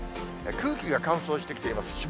空気が乾燥してきています。